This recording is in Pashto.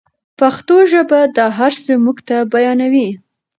پښتو ژبه دا هر څه موږ ته بیانوي.